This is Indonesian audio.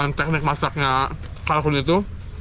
dan teknik masaknya kalkun itu